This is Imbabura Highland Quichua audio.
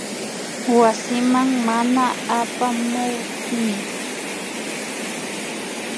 Wasiman mana apamukmi